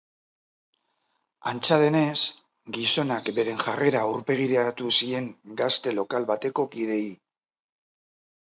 Antza denez, gizonak beren jarrera aurpegiratu zien gazte lokal bateko kideei.